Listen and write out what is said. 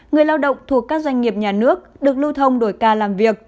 người lao động thuộc các doanh nghiệp nhà nước được lưu thông đổi ca làm việc